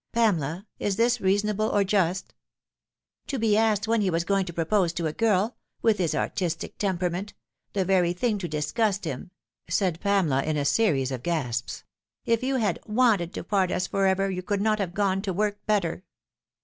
" Pamela, is this reasonable or just ?"" To be asked when he was going to propose to a girl with his artistic temperament the very thing to disgust him," said Pamela, in a series of gasps. " If you had WANTED to part us for ever you could not have gone, to work better."